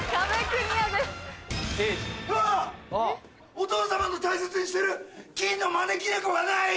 お父様の大切にしてる金の招き猫がない！